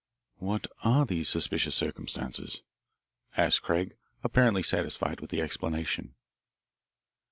"What are these suspicious circumstances?" asked Craig, apparently satisfied with the explanation.